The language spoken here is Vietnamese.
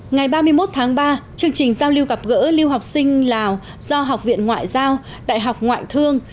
ngày ba mươi một tháng ba chương trình giao lưu gặp gỡ lưu học sinh lào do học viện ngoại giao đại học ngoại thương